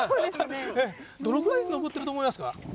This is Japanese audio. どのくらい登ってると思いますか？